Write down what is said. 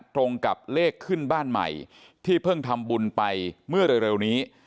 ตรงกับเลขขึ้นบ้านใหม่ที่เพิ่งทำบุญไปเมื่อเร็วนี้